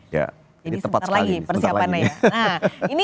jadi tepat sekali persiapannya ya